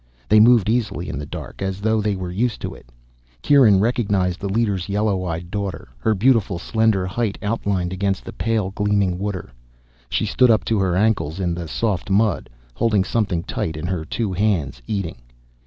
They moved easily in the dark, as though they were used to it. Kieran recognized the leader's yellow eyed daughter, her beautiful slender height outlined against the pale gleaming water. She stood up to her ankles in the soft mud, holding something tight in her two hands, eating.